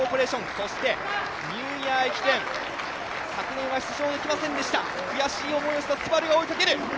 そしてニューイヤー駅伝、昨年は出場できませんでした、悔しい思いをしたＳＵＢＡＲＵが追いかける。